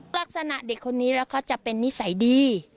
ลักษณะเด็กคนนี้แล้วเขาจะเป็นนิสัยดี